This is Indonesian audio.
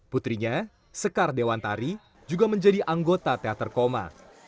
putrinya sekar dewantari juga menjadi anggota teater koma